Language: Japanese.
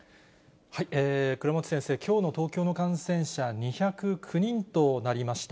倉持先生、きょうの東京の感染者２０９人となりました。